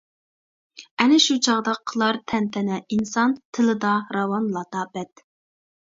ئەنە شۇ چاغدا قىلار تەنتەنە ئىنسان تىلىدا راۋان لاتاپەت.